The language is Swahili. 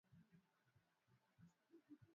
Kuma magari mengi katika mji wa Mombasa